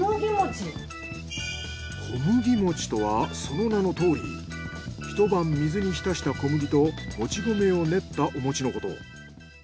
小麦餅とはその名のとおり一晩水に浸した小麦ともち米を練ったお餅のこと。